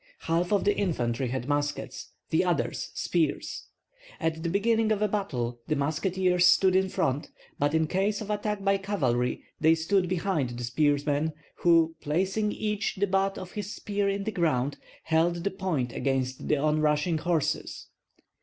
Half of the infantry had muskets; the others spears. At the beginning of a battle the musketeers stood in front, but in case of attack by cavalry they stood behind the spearmen, who, placing each the butt of his spear in the ground, held the point against the onrushing horses.